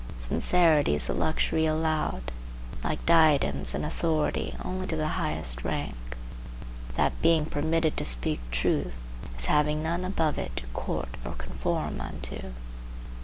Sincerity is the luxury allowed, like diadems and authority, only to the highest rank; that being permitted to speak truth, as having none above it to court or conform unto.